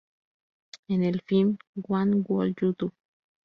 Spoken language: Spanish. En el film "What Would You Do?